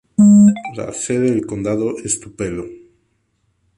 La sede del condado es Tupelo.